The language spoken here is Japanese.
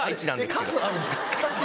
数あるんですか？